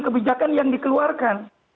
kebijakan yang dikeluarkan